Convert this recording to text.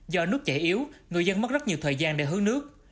do nước chảy yếu người dân mất rất nhiều thời gian để hướng nước